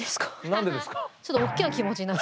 何でですか？